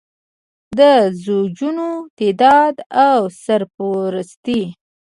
د زوجونو تعدد او سرپرستي.